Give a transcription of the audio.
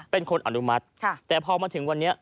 เป็นคนอนุมัติแต่พอมาถึงวันนี้